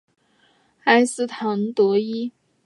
埃斯唐德伊。